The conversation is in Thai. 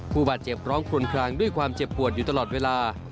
ผู้บาดเจ็บร้องคลวนคลางด้วยความเจ็บปวดอยู่ตลอดเวลา